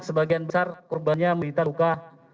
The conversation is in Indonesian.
sebagian besar korbannya menderita luka